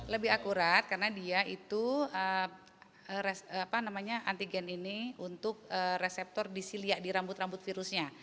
lebih akurat karena dia itu antigen ini untuk reseptor disilia di rambut rambut virusnya